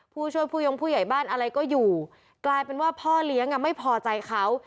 ผู้ช่วยผู้ยงผู้ใหญ่บ้านอะไรก็อยู่กลายเป็นว่าพ่อเลี้ยงอ่ะไม่พอใจเขา